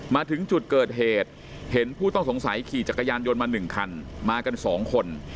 มาถึงจุดเกิดเหตุเห็นผู้ต้องสงสัยขี่จักรยานยนต์มา๑คันมากัน๒คน